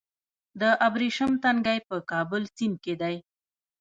د ابریشم تنګی په کابل سیند کې دی